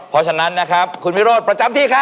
ขอบคุณครับคุณวิโรธประจำที่ครับ